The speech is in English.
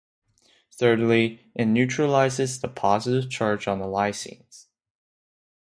Thirdly, it neutralizes the positive charge on lysines.